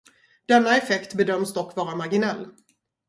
Denna effekt bedöms dock vara marginell.